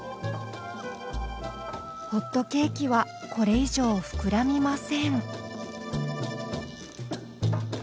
ホットケーキはこれ以上膨らみません。